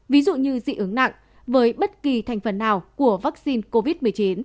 ví dụ như dị ứng nặng với bất kỳ thành phần nào của vaccine covid một mươi chín